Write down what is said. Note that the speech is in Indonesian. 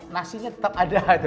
nasinya tetap ada